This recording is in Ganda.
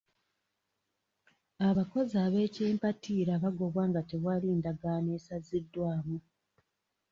Abakozi ab'ekimpatiira bagobwa nga tewali endagaano esaziddwamu.